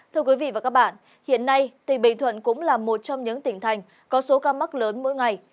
thưa quý vị và các bạn hiện nay tỉnh bình thuận cũng là một trong những tỉnh thành có số ca mắc lớn mỗi ngày